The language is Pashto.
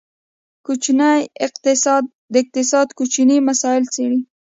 کوچنی اقتصاد، د اقتصاد کوچني مسایل څیړي.